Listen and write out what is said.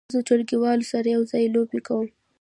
زه د ټولګیوالو سره یو ځای لوبې کوم.